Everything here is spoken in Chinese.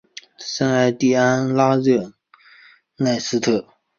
圣艾蒂安拉热内斯特。